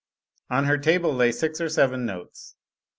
On her table lay six or seven notes.